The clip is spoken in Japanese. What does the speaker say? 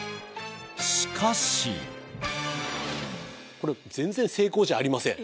しかしこれ全然成功じゃありません